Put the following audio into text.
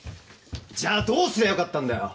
じゃあどうすりゃよかったんだよ！